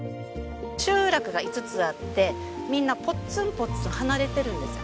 集落が５つあってみんなぽっつんぽっつん離れてるんですよ。